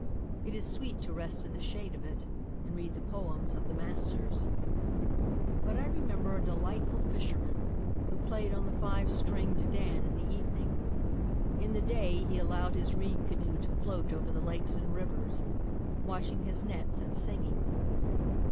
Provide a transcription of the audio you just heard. It is sweet to rest in the shade of it And read the poems of the masters. But I remember a delightful fisherman Who played on the five stringed dan in the evening. In the day he allowed his reed canoe to float Over the lakes and rivers, Watching his nets and singing.